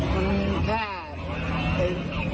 มันแค่